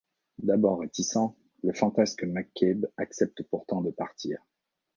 D’abord réticent, le fantasque McCabe accepte pourtant de partir.